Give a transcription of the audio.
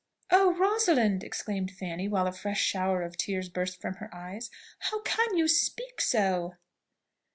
"Oh! Rosalind!" exclaimed Fanny, while a fresh shower of tears burst from her eyes, "how can you speak so!"